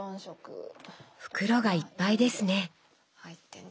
袋がいっぱいですね。